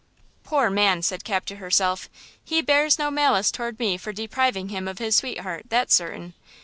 "Poor man," said Cap to herself, "he bears no malice toward me for depriving him of his sweetheart; that's certain.